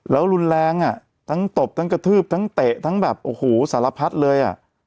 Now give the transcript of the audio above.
แล้วรุนแรงตั้งตบตั้งกระทืบตั้งเตะสารพัดเลย